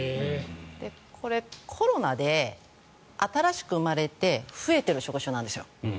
これ、コロナで新しく生まれて増えている職種なんですよ。